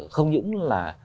không những là